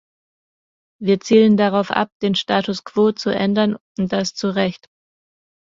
Wir zielen darauf ab, den Status Quozu ändern, und das zu Recht.